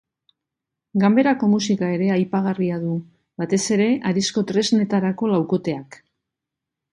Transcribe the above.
Ganberako musika ere aipagarria du, batez ere, harizko tresnetarako laukoteak.